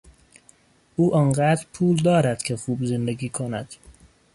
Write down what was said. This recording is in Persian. او آن قدر پول دارد که خوب زندگی کند.